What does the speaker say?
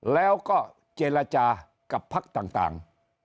แล้วก็เจรจากับพักต่าง